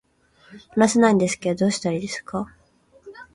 話せないんですけど、どうしたらいいですか